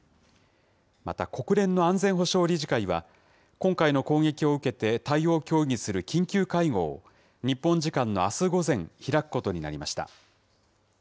また、国連の安全保障理事会は、今回の攻撃を受けて、対応を協議する緊急会合を日本時間のあす午前、開くことになりました。